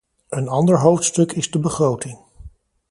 Een ander hoofdstuk is de begroting.